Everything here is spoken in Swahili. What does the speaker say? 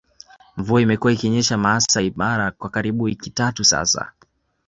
Mvua imekuwa ikinyesha Maasai Mara kwa karibu wiki tatu sasa